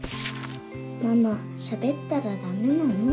「ママしゃべったらダメなの？